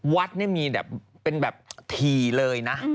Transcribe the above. วัดนี่มีแบบเป็นแบบถี่เลยนะ